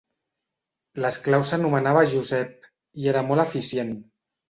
L'esclau s'anomenava Josep i era molt eficient.